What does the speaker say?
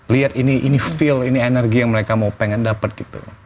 lihat ini feel ini energi yang mereka mau pengen dapat gitu